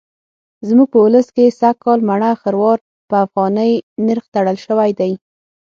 زموږ په ولس کې سږکال مڼه خروار په افغانۍ نرخ تړل شوی دی.